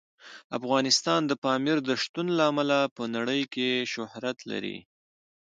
افغانستان د پامیر د شتون له امله په نړۍ شهرت لري.